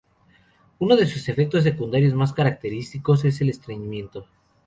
Uno de sus efectos secundarios más característicos es el estreñimiento.